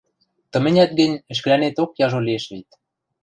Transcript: — Тыменят гӹнь, ӹшкӹлӓнеток яжо лиэш вет...